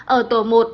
ở tổ một